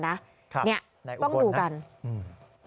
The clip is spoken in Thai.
นี่ต้องดูกันฮะไหนอุบลนะ